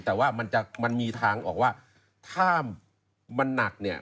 แต่ว่ามันจะมันมีทางออกว่าถ้ามันหนักเนี่ย